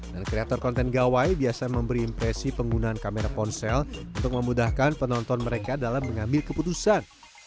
dan creator content gawai biasa memberi impresi penggunaan kamera ponsel untuk memudahkan penonton mereka dalam mengambil keputusan